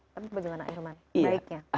tapi bagaimana ahilman baiknya